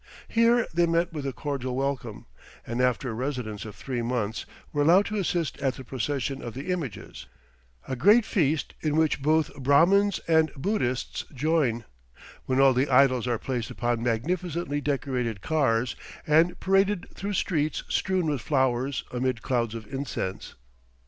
Here they met with a cordial welcome, and after a residence of three months were allowed to assist at the "Procession of the Images," a great feast, in which both Brahmins and Buddhists join, when all the idols are placed upon magnificently decorated cars, and paraded through streets strewn with flowers, amid clouds of incense.